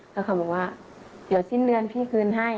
แล้วเขาบอกว่าเดี๋ยวสิ้นเดือนพี่คืนให้